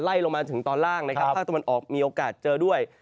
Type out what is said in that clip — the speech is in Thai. ลงมาถึงตอนล่างนะครับภาคตะวันออกมีโอกาสเจอด้วย